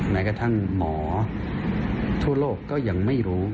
แม้กระทั่งหมอทั่วโลกก็ยังไม่รู้